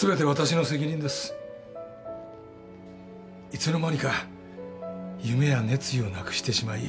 いつの間にか夢や熱意をなくしてしまい。